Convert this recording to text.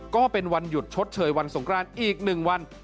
ก็เป็นวันหยุดชดเชยวันสงครานอีก๑วัน